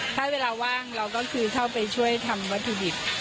ถ้าเวลาว่างเราก็คือเข้าไปช่วยทำวัตถุดิบ